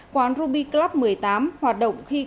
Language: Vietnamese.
quán ruby club một mươi tám hoạt động khi